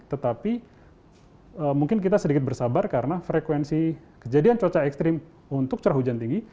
tetapi mungkin kita sedikit bersabar karena frekuensi kejadian cuaca ekstrim untuk curah hujan tinggi